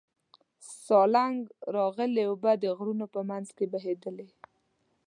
سالنګ راغلې اوبه د غرونو په منځ کې بهېدلې.